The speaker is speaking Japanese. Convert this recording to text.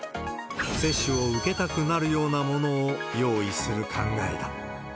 接種を受けたくなるようなものを用意する考えだ。